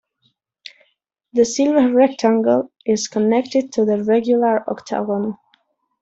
The silver rectangle is connected to the regular octagon.